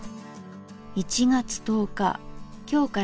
１月１０日今日から家の修理。